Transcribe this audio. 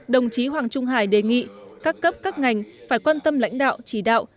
đồng chí hoàng trung hải đề nghị các cấp các ngành phải quan tâm lãnh đạo chỉ đạo